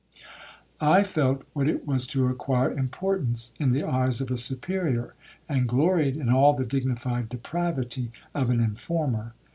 I felt what it was to acquire importance in the eyes of a Superior, and gloried in all the dignified depravity of an informer.